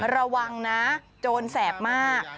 ระวังนะโจรแสบมาก